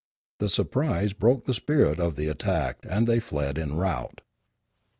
The surprise broke the spirit of the attacked and they fled in rout.